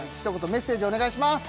メッセージお願いします